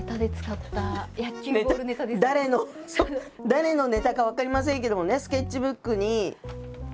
誰のネタか分かりませんけどもねスケッチブックに。